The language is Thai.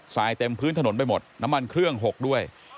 เต็มพื้นถนนไปหมดน้ำมันเครื่องหกด้วย